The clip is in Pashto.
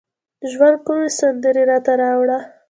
ژوند کوم سندرې راته راوړه